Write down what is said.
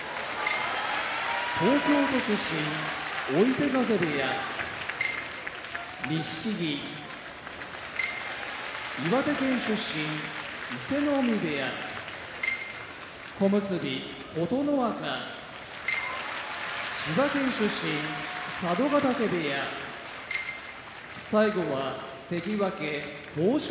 東京都出身追手風部屋錦木岩手県出身伊勢ノ海部屋小結・琴ノ若千葉県出身佐渡ヶ嶽部屋関脇豊昇